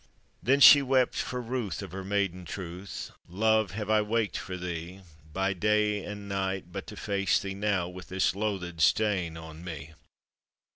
Then she wept for ruth of her maiden truth :" O Love, have I waked for thee By day and night, but to face thee now With this loathed stain on me?